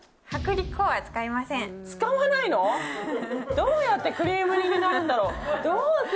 どうやってクリーム煮になるんだろう。